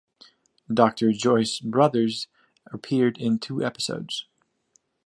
Doctor Joyce Brothers appeared in two episodes.